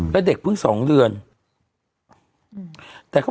เมื่อ